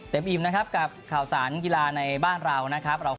อิ่มนะครับกับข่าวสารกีฬาในบ้านเรานะครับ